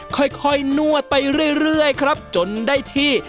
ค่อยนวดไปเรื่อยครับจนได้ที่